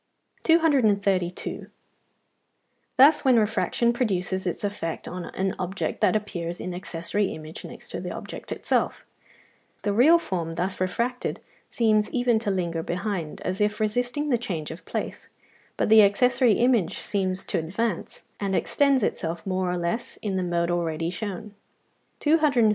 232. Thus when refraction produces its effect on an object there appears an accessory image next the object itself: the real form thus refracted seems even to linger behind, as if resisting the change of place; but the accessory image seems to advance, and extends itself more or less in the mode already shown (212 216). 233.